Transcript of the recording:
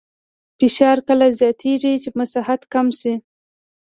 فشار کله زیاتېږي چې مساحت کم شي.